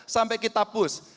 sampai kita push